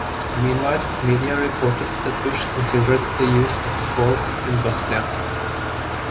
Meanwhile, media reported that Bush considered the use of force in Bosnia.